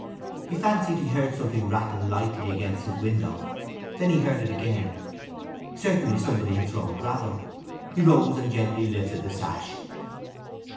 He fancied he heard something rattle lightly against his window; then he heard it again. Certainly somebody had thrown gravel. He rose and gently lifted the sash.